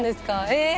え！